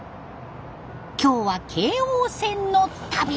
今日は京王線の旅。